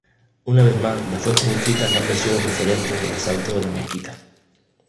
Una vez más las fuentes escritas dan versiones diferentes del asalto de las mezquitas.